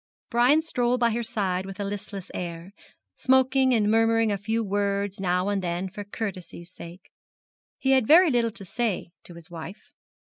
Brian strolled by her side with a listless air, smoking, and murmuring a few words now and then for courtesy's sake. He had very little to say to his wife.